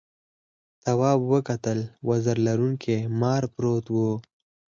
تواب وکتل وزر لرونکي مار پروت و.